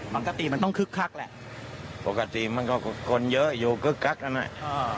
ปกติมันต้องคึกคักแหละปกติมันก็คนเยอะอยู่กึกกักนั่นแหละ